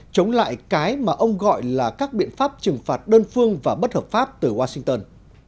chống lại cái mà ông gọi là các biện pháp trừng phạt đơn phương và bất hợp pháp từ washington